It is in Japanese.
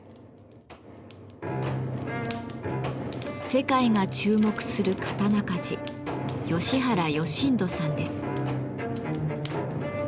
世界が注目する刀鍛冶吉原義人さんです。